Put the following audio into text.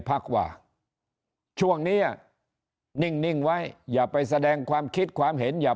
พักว่าช่วงนี้นิ่งไว้อย่าไปแสดงความคิดความเห็นอย่า